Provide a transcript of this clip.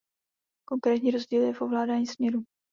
Konkrétní rozdíl je v ovládání směrů.